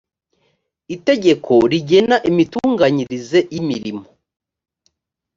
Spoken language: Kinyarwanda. itegeko rigena imitunganyirize y imirimo